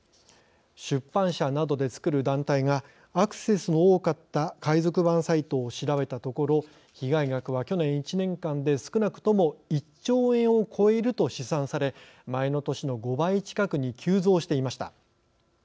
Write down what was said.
出版社などでつくる団体がアクセスの多かった海賊版サイトを調べたところ被害額は、去年１年間で少なくとも１兆円を超えると試算され、前の年の５倍近くに急増していました。